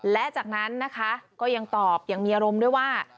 และจากนั้นนะคะก็ยังตอบยังมีอารมณ์ด้วยว่า